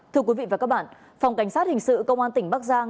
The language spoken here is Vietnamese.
thưa quý vị và các bạn phòng cảnh sát hình sự công an tỉnh bắc giang